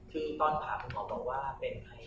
หรือเป็นอะไรที่คุณต้องการให้ดู